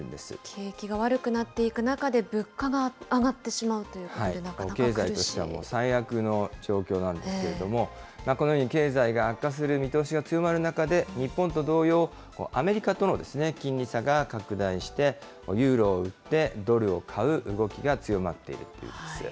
景気が悪くなっていく中で物価が上がってしまうということで、経済としては最悪の状況なんですけれども、このように、経済が悪化する見通しが強まる中で、日本と同様、アメリカとの金利差が拡大して、ユーロを売ってドルを買う動きが強まっているんです。